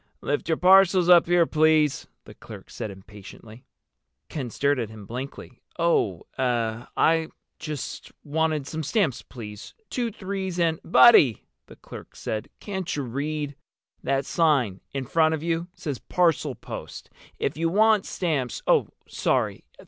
"Lift your parcels up here, please," the clerk said impatiently. Ken stared at him blankly. "Oh—eh—I just wanted some stamps, please. Two threes and—" "Buddy," the clerk said, "can't you read? That sign in front of you says parcel post. If you want stamps—" "Oh, sorry.